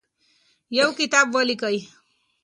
یو کتاب ولیکئ.